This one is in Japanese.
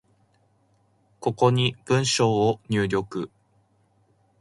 ここに文章を入力